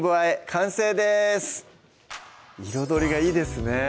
完成です彩りがいいですね